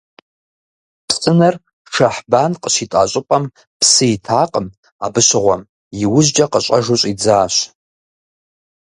Псынэр Шэхьбан къыщитӀа щӀыпӀэм псы итакъым абы щыгъуэм, иужькӀэ къыщӀэжу щӀидзащ.